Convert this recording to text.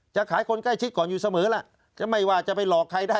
จะขายคนใกล้ชิดก่อนอยู่เสมอล่ะจะไม่ว่าจะไปหลอกใครได้